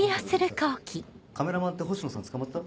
カメラマンってホシノさんつかまった？